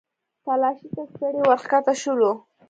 تلاشۍ ته ستړي ورښکته شولو.